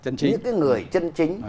những người chân chính